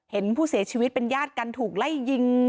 เห็นผู้เสียชีวิตเป็นญาติกันถูกไล่ยิง